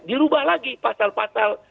dirubah lagi pasal pasal